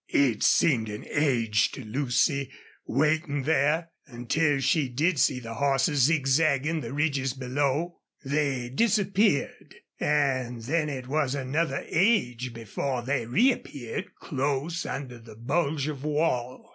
It seemed an age to Lucy, waiting there, until she did see horses zigzagging the ridges below. They disappeared, and then it was another age before they reappeared close under the bulge of wall.